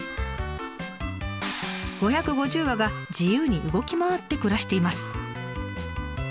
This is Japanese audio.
５５０羽が自由に動き回って暮らしています。